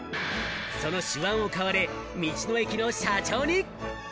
その手腕を買われ、道の駅の社長に。